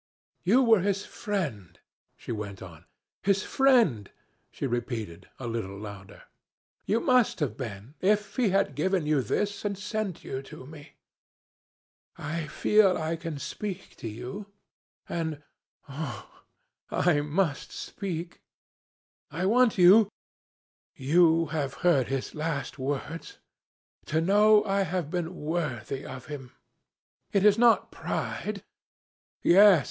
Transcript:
"'You were his friend,' she went on. 'His friend,' she repeated, a little louder. 'You must have been, if he had given you this, and sent you to me. I feel I can speak to you and oh! I must speak. I want you you who have heard his last words to know I have been worthy of him. ... It is not pride. ... Yes!